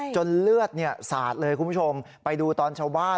เลือดสาดเลยคุณผู้ชมไปดูตอนชาวบ้าน